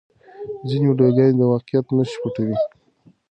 ځینې ویډیوګانې د واقعیت نښې پټوي.